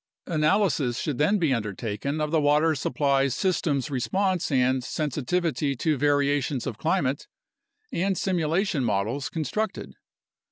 Analysis should then be undertaken of the water supply system's re sponse and sensitivity to variations of climate and simulation models constructed.